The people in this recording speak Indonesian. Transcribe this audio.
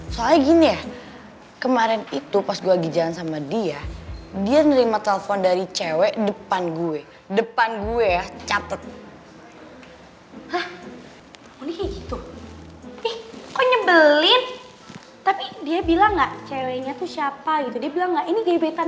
soalnya kemarin pas abah dapet telepon dari mamanya mondi